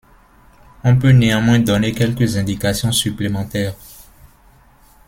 On peut néanmoins donner quelques indications supplémentaires.